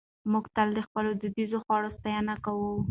موږ تل د خپلو دودیزو خوړو ستاینه کوو.